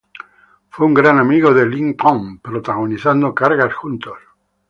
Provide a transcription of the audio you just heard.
Fue un gran amigo de Ling Tong, protagonizando cargas juntos.